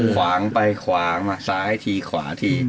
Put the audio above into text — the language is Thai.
ขวางไปขวางมาซ้ายทีขวาที